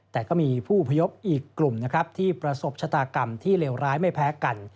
แต่ก็มีผู้อพยพอีกกลุ่มนะครับที่ประสบชะตากรรมที่เลวร้ายไม่แพ้กัน